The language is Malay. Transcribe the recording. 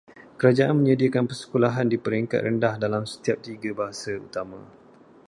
Kerajaan menyediakan persekolahan di peringkat rendah dalam setiap tiga bahasa utama.